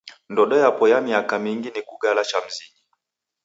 Ndodo yapo kwa miaka mingi ni kugala cha mzinyi.